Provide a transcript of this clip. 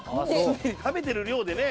食べてる量でね